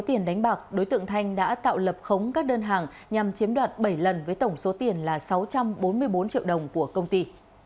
tiền đánh bạc đối tượng thanh đã tạo lập khống các đơn hàng nhằm chiếm đoạt bảy lần với tổng số tiền là sáu trăm bốn mươi bốn triệu đồng của công ty